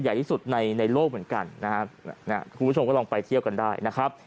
คุณผู้ชมก็ลองไปเที่ยวกันได้นะครับ